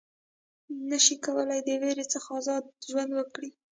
نه شي کولای د وېرې څخه آزاد ژوند وکړي.